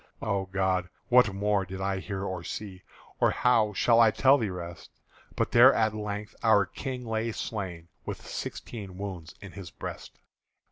O God! what more did I hear or see, Or how should I tell the rest? But there at length our King lay slain With sixteen wounds in his breast.